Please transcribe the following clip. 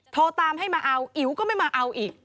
โทรตามให้มาเอาอิ๋วก็ไม่มาเอาอีก